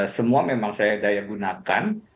semua memang saya daya gunakan